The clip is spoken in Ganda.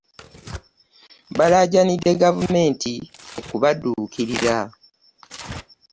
Baalaajanidde Gavumenti okubadduukirira